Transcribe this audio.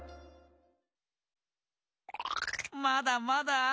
まだまだ。